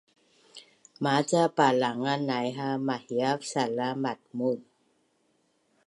Maca palangan nai ha mahiav sala matmuz